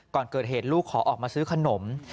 ก่อนเกิดเหตุลูกขอออกมาซื้อขนม